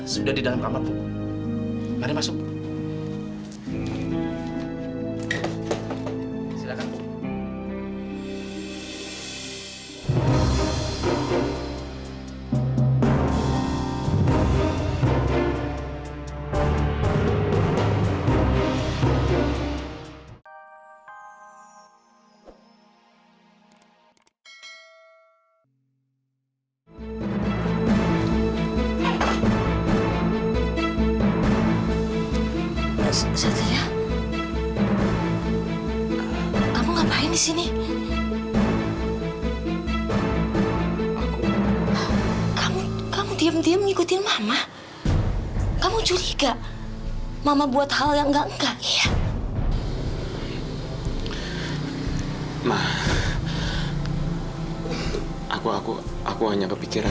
sampai jumpa di video selanjutnya